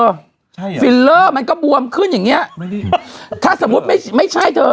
ใช่เหรอมันก็บวมขึ้นอย่างเงี้ยไม่ได้ถ้าสมมุติไม่ใช่เธอ